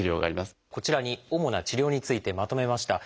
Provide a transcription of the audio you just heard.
こちらに主な治療についてまとめました。